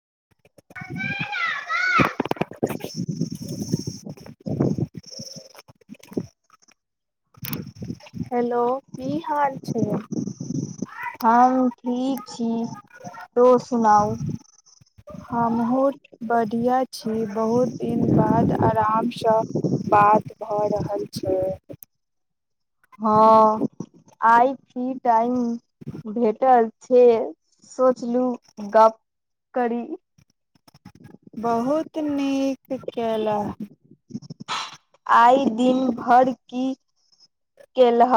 [unintelligible] Hello की हाल छै हम ठीक छी तो सुनाउ हमहु बढ़िया छी बहुत दिन बाद आरामसँ बात भऽ रहल छै हँ आइ की टाइम भेटल छै स पछिलू गप करी बहुत नीक कला आइ दिन भरि की केलह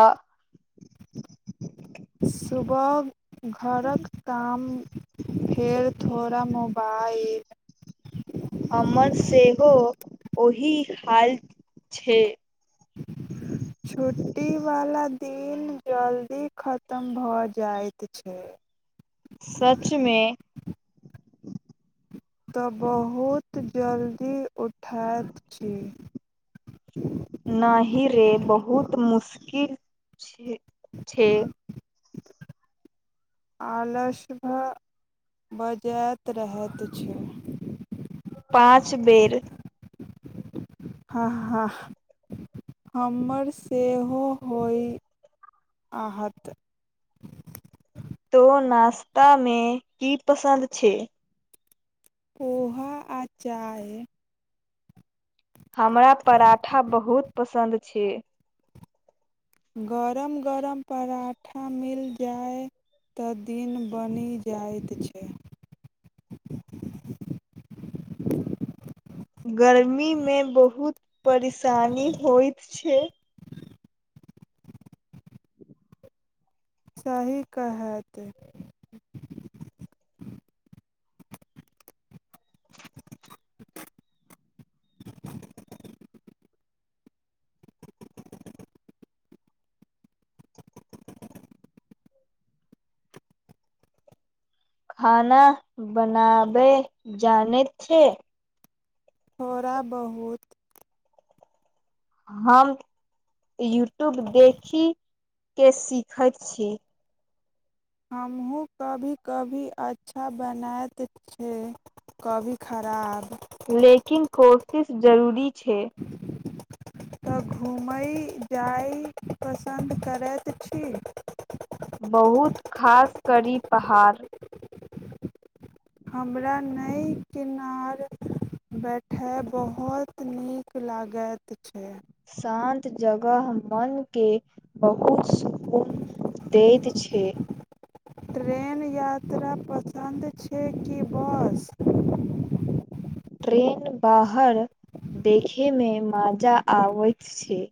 [unintelligible] सुबह घरक काम फेर थोड़ा मोबाइल हममर सेहो ओहि हाल छै छुट्टीवला दिन जल्दी खतम भऽ जाइत छै सचमें तऽ बहुत जल्दी उठैत छी [unintelligible] नहि रे बहुत मुशकिल छै ठीक आलस भ बजइत रहैत छै पाँच बेर हँ हा हमर सेहो होय आत तो नश्ता मे की पसन्द छै पोहा आचार हमरा पराठा बहुत पसन्द छै गरम गरम पराठा मिल जाय तऽ दिन बनि जाइत छै गर्मी मे बहुत परेशानी होइत छै सही कहत खाना बनाबे जान छै थोड़ा बहुत हम यूट्यूब देखिके सीखैत छी हमहूँ कभी कभी अच्छा बनाैत छै कभी खराब लेकिन कोशिश जरूरी छै तऽ घूमय जाय पसन्द करैत छी बहुत खास कड़ी पहाड़ हमरा नव किनार बैठय बहुत नीक लागैत छै शान्त जगह मन के बहुत सुकून दैत छै ट्रेन यात्रा पसन्दद छै छै की बॉस ट्रेन बाहर देखयमे मजा आबैत छै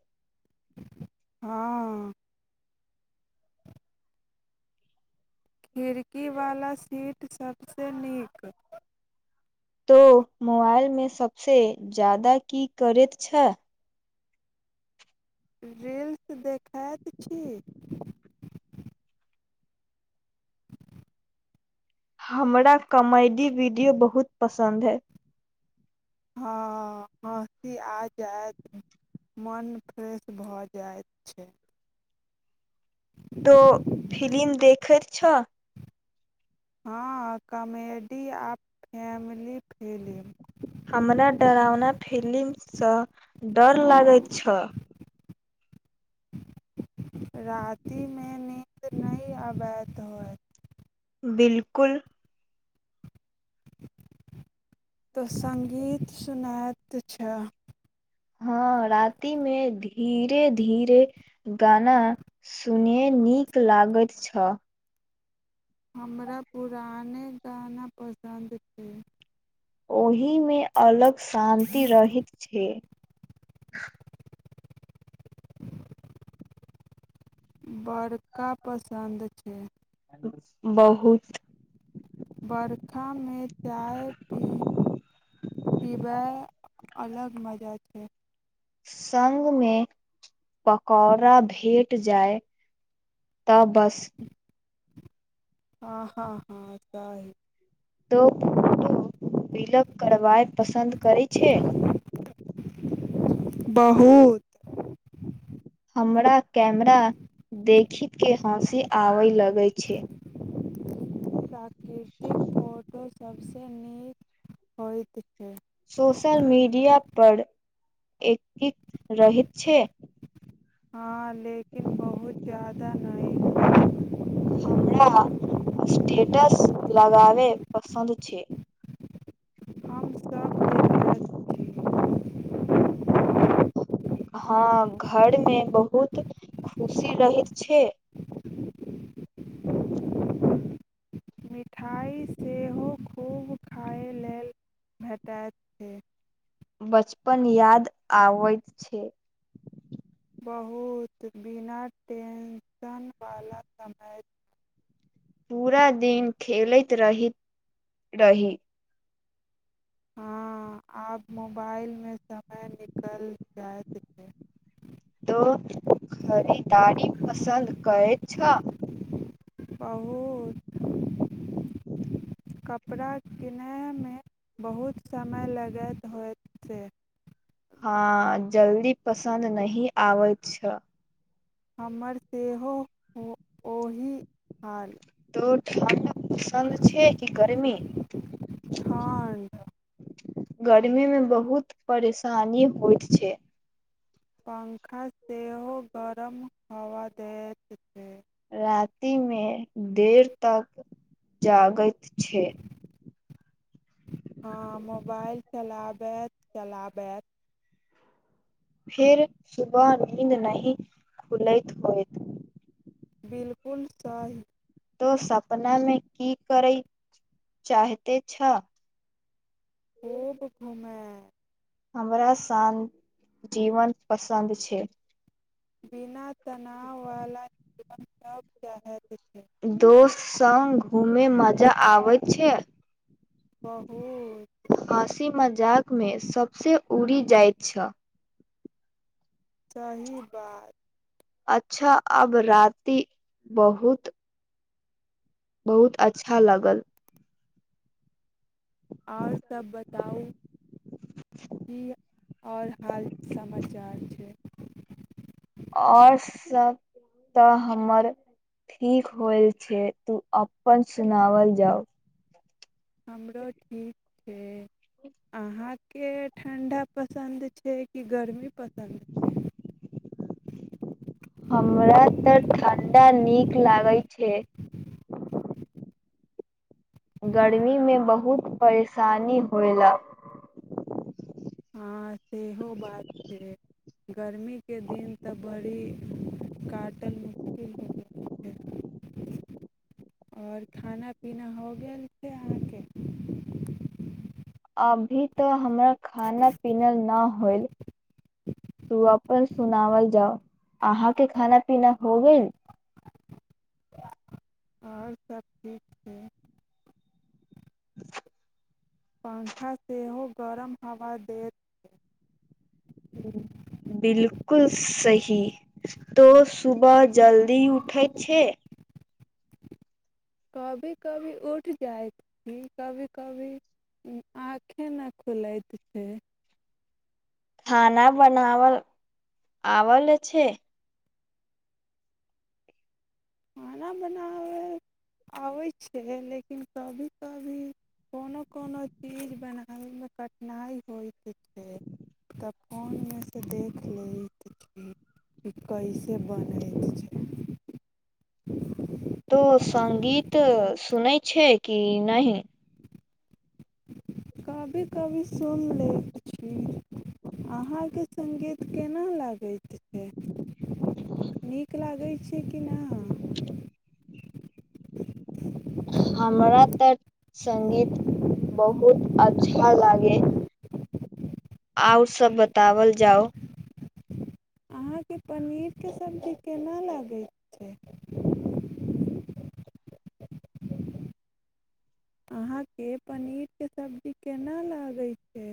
हँ खिड़कीवला सीट सभसँ नीक तो मोबाइल मे सबसँ ज्यादा की करैत छै रील्स देखैत छी हमरा कॉमेडी वीडियो बहुत पसन्द अइ हँ हँसी आ जायत मन फ्रेश भऽ जाइत छै तो फिलिम देखैत छ हँ कॉमेडी आ फैमिली फिल्म हमरा डरावना फिलिमसँ डर लागैत छल रातिमे नीन्द नहि अबैत होय बिल्कुल तऽ सङ्गीत सुनात छै हँ रातिमे धीरे धीरे गाना सुनय नीक लागैत छल हमरा पुराने गाना पसन्द छै ओ मे अलग शान्ति रहैत छै [unintelligible] [unintelligible] बड़का पसन्द छै ठीक बहुत बर्खामे चाय पीबय अलग मजा छै। सग मे पकौड़ा भेट जाय तऽ बस हँ हँ हँ त ही त। वििलक करइ पसन्द करै छै बहुत हमरा। कैमरा देखी के हँसी आबे लगे छै। सबसँ नीक होइत छै। सोशल मीडिया पर। एकीक रहत छै हँ लेकिन बहुत ज्यादा नहि। हमरा स्टेटस लगाबय पसन्द छै। हमसभ देखैत छी हँ घरमे बहुत खुशी रहैत छै। मिठाइ सेहो खूब खाय लेल भेटैत छै बचपन याद आैत छै बहुत। बिना टेंशन वाला समय पूरा दिन खेलैत रहहिैत रही। हँ आब मोबाइल मे समय निकल जाइत छै। तो खरीदारी पसन्द कै छ। बहुत किना। सय लागए ध होत हँ जल्दी पसन्द नह आबै छै। हमर सेहो ओहि हाल तो ठण्ड पसन्द छै कि गर्मी ठंढ गर्मी मे बहुत परेशानी होइतत छै। पंखा सेहो। गरम हवा दैत छै रति में देर तक जागैत छै हँ मोबाइल चलाबैत चलाबैत। फिर सुबह नीन्द नं खुलैत होयत। बिलकुल सही तो सपना मे की करय चाहते छ खूब घुमय हमरा शान्त जीवन पसन्द छै। बिना तनाव वाला सब चाहैत छै दोस्त सङग घूमे मजा आबैत छै बहुू हाँसी मजाकमे सबसँ उड़ि जाइत छै। सही बात अच्छा अब रति बहुत। बहुत अच्छा लागल आओर सभ बताउ की आओर हाल समाचार छै। और सब तऽ हमर ठीक होल छै तू अपन सुनाओल जाउ। हमरो ठीक छै अहाँके ठण्ढा पसन्द छै कि गरमी पसन्द छै हमरा तऽ ठण्डा नीक लागै छै। गर्मीमे बहुत परेशानी होयला हँ सेहो बात छै गर्मीके दिन तऽ बड़ी काटल मुश्किल हो गेल छै आओर खाना पीना हो गेल छै अहाँके अभी तऽ हमरा। खाना पीना न होइल। तू अपन सुनावल जाउ अहाँके खाना पीना हो गेल आओर सभ ठीकज छै पं्खा सेहो गरम हवा देैत छै बकुल सही तो सुबह जल्दी उठैत छै कभी कभी उठि जाइत ई कभी कभी आँखे नहि खुलैत छै। खाना बनावल आल छै। खाना बनाबय आबै छै लेकिन कभी कभी कोनो कोनो चीज बनाबयमे कठिनाइ होइत छै तऽ फोनमे सँ देख लैत छी कि कैसे बनै छै। तो सगीत सुनै छै कि नहि कभी कभी सुनले। ठ अहाँके संगीत केना लागथि नीक लागै छै से की ना। हमरा तऽ संगगीत बहुत अच्छा लागे आउ सब बतावल जाउ। अहाँके पनीरके सब्जी केना लागैत छै। अहाँके पनीरके सब्जी केना लागै छै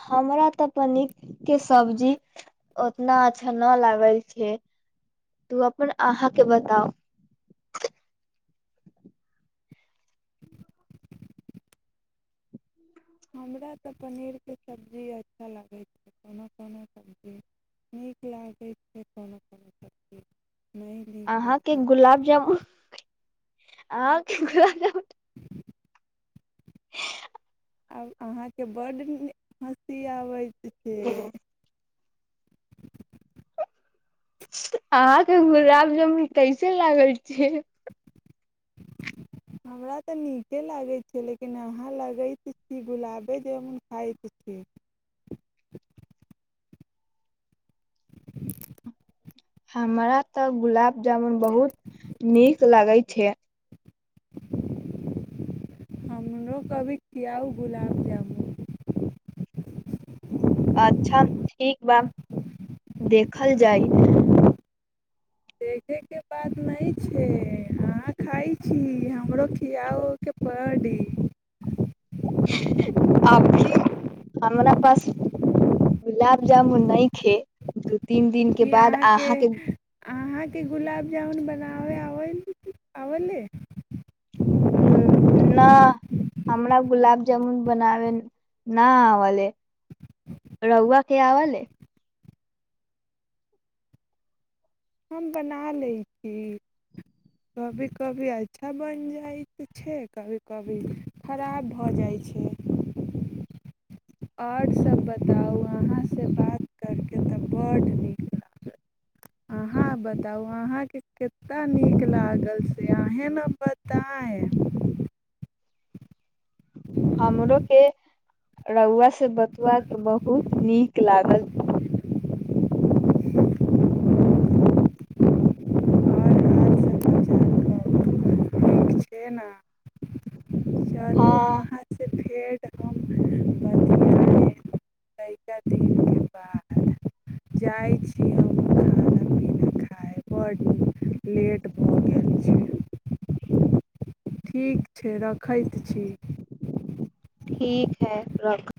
हमरा तऽ पनिक के सब्जी ओतना अच्छा न लागल छै तू अपन अहाँके बताउ हमरा तऽ पनीरके सबजी अच्छा लागै छै कोनो कोनो सबजी नीक लागै छै कोनो कोनो सबजी अहाँके गुलाब जामुन [unintelligible] आब अहाँ के बड्ड हँसी आबैत छै अहाँके गुलाब जामुन कैसे लागल छियै हमरा तऽ नीके लागै छै लेकिन अहाँ लगैत छी गुलाबे जामुन खाइत छी हमरा तऽ गुलाब जामन बहुत नीक लागे छै हमरो कभी खियाउ गुलाब जामुन अच्छा ठीक बा देखल जाइ देखयके बात नहि छै अहाँ खाइ छी हमरो खियाओके परडी अभी हमरा पास गुलाब जामुन नहि छैे तीन दिनक के बाद अहाँके की गुलाबजामुन बनाबै आब आबले ह न हमरा गुलाबजामुन बनाबे न आवल ह रहुुआ के आवल ह हम बना लै छी कभी कभी अच्छा बनि जाइ छै कभी कभी खराब भऽ जाइ छै आओर सभ बताउ अहाँसँ बात करि कऽ तऽ बड नीक लागल अहाँ बताउ अहाँके कतेक नीक लागल से अहीँ ने बताए हमरो के। रौआ बतबा के बहुत नीक लागल आओर [unintelligible] हाल [unintelligible] छना हँ से फेर हम बतियाएब लइका दिन के बाद जाइ छी हम खाना पीना खाइ बड्ड लेट भऽ गेल छै ठीक छै रखैत छी ठीकीक है रख